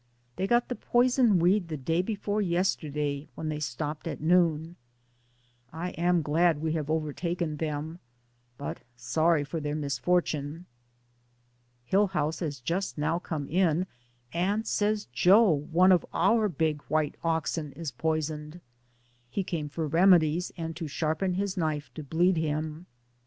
They got the poison weed the day before yes terday, when they stopped at noon. I am glad we have overtaken them, but sorry for their misfortune. Hillhouse has just now come in, and says Joe, one of our big white oxen, is poisoned. He came for remedies and to sharpen his knife to bleed him.